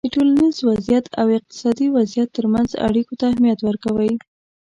د ټولنیز وضععیت او اقتصادي وضعیت ترمنځ اړیکو ته اهمیت ورکوی